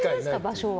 場所は。